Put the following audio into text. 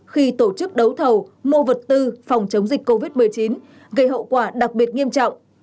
khi tổ chức đấu thầu mua vật tư phòng chống dịch covid một mươi chín gây hậu quả đặc biệt nghiêm trọng